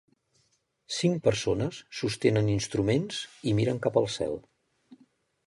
Cinc persones sostenen instruments i miren cap al cel.